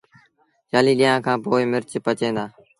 چآليٚه ڏيݩهآݩ کآݩ پو مرچ پچيٚن دآ